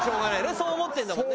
そう思ってるんだもんね。